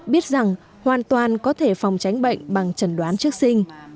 biết rằng hoàn toàn có thể phòng tránh bệnh bằng trần đoán trước sinh